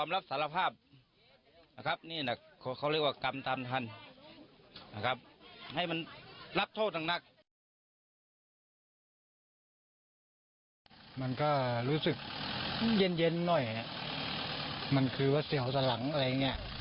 มันคือว่าเสียวสลังอะไรอย่างนี้